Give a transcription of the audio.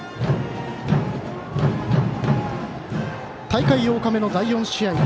大会８日目の第４試合。